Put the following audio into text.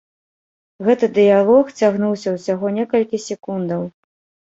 Гэты дыялог цягнуўся ўсяго некалькі секундаў.